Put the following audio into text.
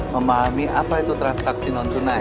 memahami apa itu transaksi non tunai